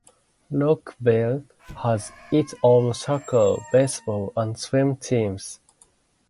Rockville has its own soccer, baseball and swim teams.